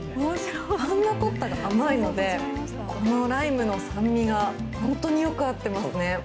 パンナコッタが甘いのでこのライムの酸味が本当によく合ってますね。